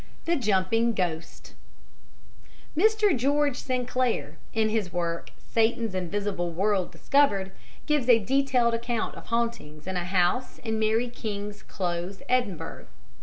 The Jumping Ghost Mr. George Sinclair, in his work Satan's Invisible World Discovered, gives a detailed account of hauntings in a house in Mary King's Close, Edinburgh.